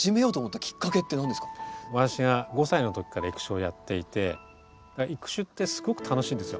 私が５歳の時から育種をやっていて育種ってすごく楽しいんですよ。